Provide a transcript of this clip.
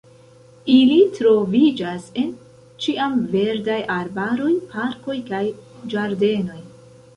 Ili troviĝas en ĉiamverdaj arbaroj, parkoj kaj ĝardenoj.